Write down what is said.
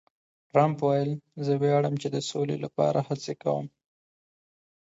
ټرمپ وویل، زه ویاړم چې د سولې لپاره هڅې کوم.